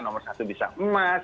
nomor satu bisa emas